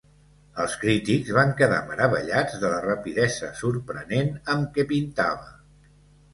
Els crítics van quedar meravellats de la rapidesa sorprenent amb què pintava.